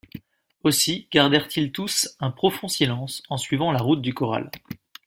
Aussi gardèrent-ils tous un profond silence en suivant la route du corral